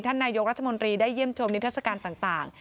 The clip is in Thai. ท่านนายกรัฐมนตรีได้เยี่ยมชมนิทัศกาลต่าง